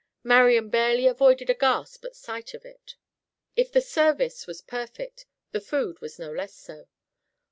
Marian barely avoided a gasp at sight of it. If the service was perfect, the food was no less so.